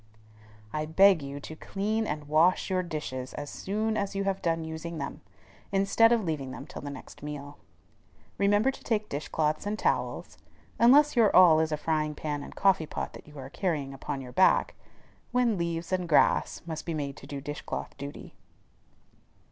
I beg you to clean and wash your dishes as soon as you have done using them, instead of leaving them till the next meal. Remember to take dishcloths and towels, unless your all is a frying pan and coffee pot that you are carrying upon your back, when leaves and grass must be made to do dishcloth duty.